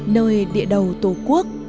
nơi địa đầu tổ quốc